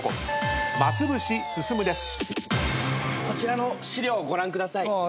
こちらの資料をご覧ください。